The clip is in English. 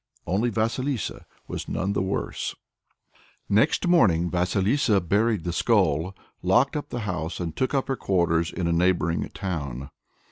Only Vasilissa was none the worse. [Next morning Vasilissa "buried the skull," locked up the house and took up her quarters in a neighboring town.